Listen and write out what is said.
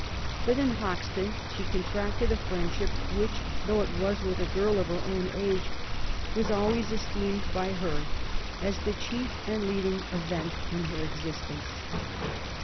But in Hoxton she contracted a friendship which, though it was with a girl of her own age, was always esteemed by her as the chief and leading event in her existence.